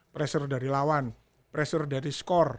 pressure dari lawan pressure dari skor